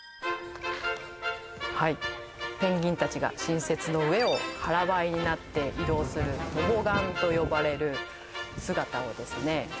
はいペンギンたちが新雪の上を腹ばいになって移動するトボガンと呼ばれる姿をですね